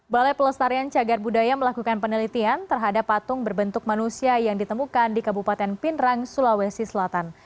balai pelestarian cagar budaya melakukan penelitian terhadap patung berbentuk manusia yang ditemukan di kabupaten pindrang sulawesi selatan